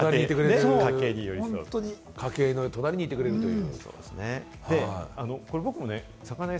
家計の隣にいてくれるという。